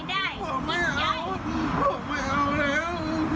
เมว่ามาเอาไข่แล้ว